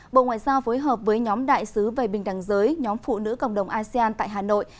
bộ ngoại giao phối hợp với nhóm đại sứ về bình đẳng giới nhóm phụ nữ cộng đồng asean tại hà nội